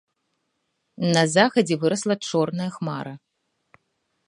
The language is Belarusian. На захадзе вырасла чорная хмара.